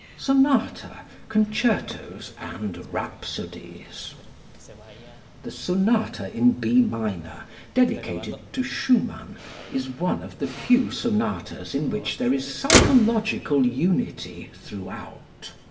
Sonata, Concertos and Rhapsodies. The "Sonata in B Minor" dedicated to Schumann is one of the few sonatas in which there is psychological unity throughout.